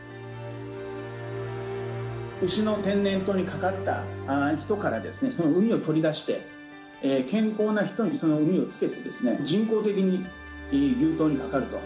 牛の天然痘にかかった人から、そのうみを取り出して、健康な人にそのうみをつけて、人工的に牛痘にかかると。